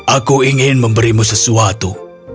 aku ingin memberimu sesuatu